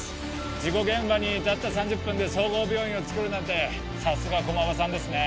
事故現場にたった３０分で総合病院をつくるなんてさすが駒場さんですね